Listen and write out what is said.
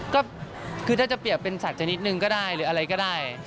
ก็คือถ้าจะเปรียบเป็นสัตว์ชนิดนึงก็ได้หรืออะไรก็ได้